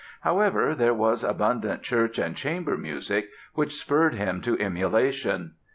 However, there was abundant church and chamber music, which spurred him to emulation.